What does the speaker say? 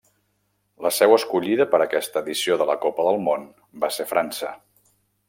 La seu escollida per aquesta edició de la Copa del Món va ser França.